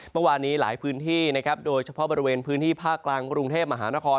เมื่อวานนี้หลายพื้นที่นะครับโดยเฉพาะบริเวณพื้นที่ภาคกลางกรุงเทพมหานคร